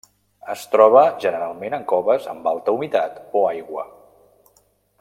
Es troba generalment en coves amb alta humitat o aigua.